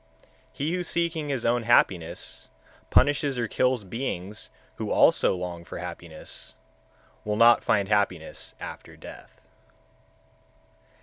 131. He who seeking his own happiness punishes or kills beings who also long for happiness, will not find happiness after death.